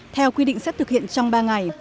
theo quy định sẽ thực hiện trong ba ngày